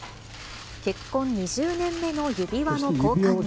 結婚２０年目の指輪の交換に。